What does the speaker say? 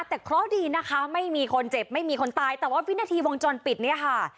แต่เคราะห์ดีนะคะไม่มีคนเจ็บไม่มีคนตายแต่ว่าวินาทีวงจรปิดเนี่ยค่ะ